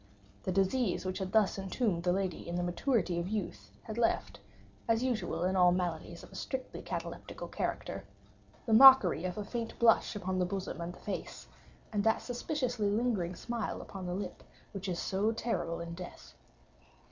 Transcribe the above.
The disease which had thus entombed the lady in the maturity of youth, had left, as usual in all maladies of a strictly cataleptical character, the mockery of a faint blush upon the bosom and the face, and that suspiciously lingering smile upon the lip which is so terrible in death.